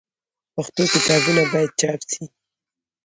پښتو کتابونه باید چاپ سي.